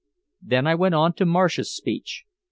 Then I went on to Marsh's speech.